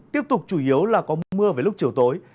tiếp tục chủ yếu là có mưa về lúc chiều tối